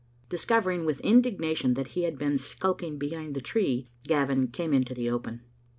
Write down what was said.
Discovering with indignation that he had been skulk ing behind the tree, Gavin came into the open.